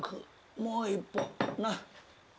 もう一本。な？